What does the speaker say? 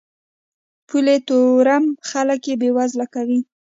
پولي تورم خلک بې وزله کوي.